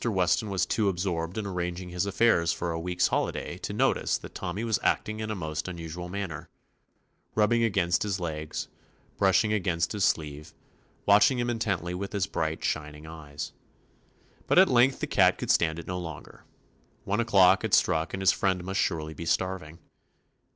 Weston was too absorbed in arranging his affairs for a week's holiday to notice that Tommy was acting in a most unusual manner, — rubbing against his legs, brushing against his sleeve, watching him intently with his bright, shining eyes. But at length the cat could stand it no longer. One o'clock had struck and his friend must surely be starving.